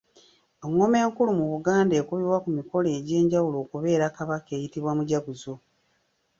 Engoma enkulu mu Buganda ekubibwa ku mikolo egy’enjawulo okubeera Kabaka eyitibwa Mujaguzo.